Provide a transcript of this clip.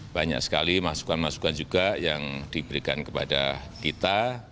banyak sekali masukan masukan juga yang diberikan kepada kita